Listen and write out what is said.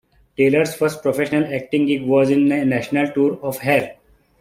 Taylor's first professional acting gig was in a national tour of "Hair".